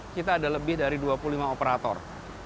kita ada lebih dari dua puluh lima operator